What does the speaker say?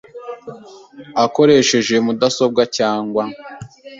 akoresheje mudasobwa cyangwa